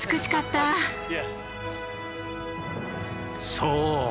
そう。